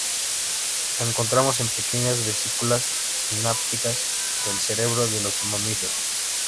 La encontramos en pequeñas vesículas sinápticas del cerebro de los mamíferos.